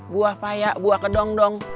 buah payak buah kedong dong